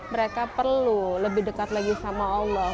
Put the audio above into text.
mereka perlu lebih dekat lagi sama allah